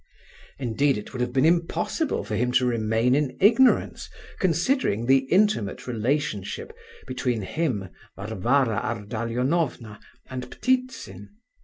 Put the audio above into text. Indeed, it would have been impossible for him to remain in ignorance considering the intimate relationship between him, Varvara Ardalionovna, and Ptitsin.